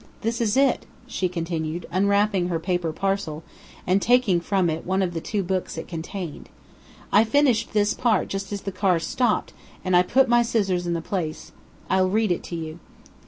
This is it," she continued, unwrapping her paper parcel, and taking from it one of the two books it contained. "I finished this part just as the cars stopped, and I put my scissors in the place; I'll read it to you."